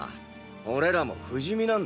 俺らも不死身なんだ。